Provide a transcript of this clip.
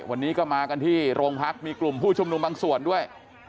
วันนี้ก็มากันที่โรงพักมีกลุ่มผู้ชุมนุมบางส่วนด้วย